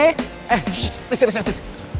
eh shhh disini disini disini